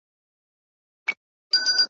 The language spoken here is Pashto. موږ د جنګونو نغارو ته نڅېدل زده کړي ,